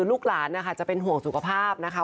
ลูกหลานนะคะจะเป็นห่วงสุขภาพนะคะ